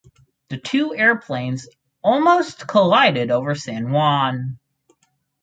The two airplanes almost collided over San Juan.